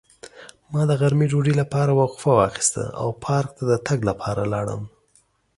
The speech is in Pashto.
ما د غرمې ډوډۍ لپاره وقفه واخیسته او پارک ته د تګ لپاره لاړم.